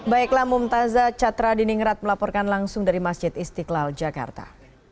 baiklah mumtazah catra diningrat melaporkan langsung dari masjid istiqlal jakarta